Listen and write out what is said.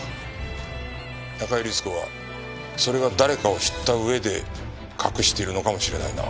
中井律子はそれが誰かを知った上で隠しているのかもしれないな。